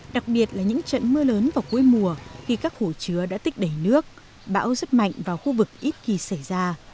đặc biệt là những trận mưa lớn vào cuối mùa khi các hồ chứa đã tích đầy nước bão rất mạnh vào khu vực ít khi xảy ra